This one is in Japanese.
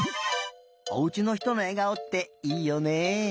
おうちのひとのえがおっていいよね。